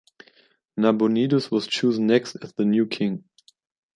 Nabonidus was chosen next as the new king.